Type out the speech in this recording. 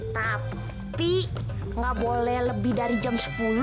tapi nggak boleh lebih dari jam sepuluh